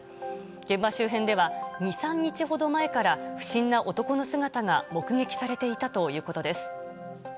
現場周辺では２３日ほど前から不審な男の姿が目撃されていたということです。